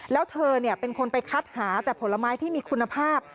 แล้วเธอเป็นคนไปคัดหาแต่ผลไม้ที่มีคุณภาพ